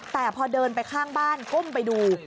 แต่พอเดินไปข้างบ้านก้มไปดู